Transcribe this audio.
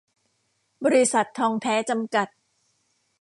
บริษัท ทองแท้ จำกัด